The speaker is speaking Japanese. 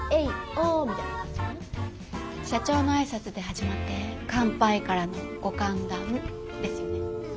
社長の挨拶で始まって乾杯からのご歓談ですよね。